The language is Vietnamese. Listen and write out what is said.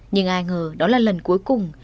nhưng ai ngờ đó là lần cuối cùng